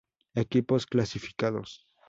Equipos clasificados.